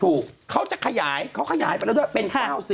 เขาจะขยายเขาขยายไปแล้วด้วยเป็น๙๐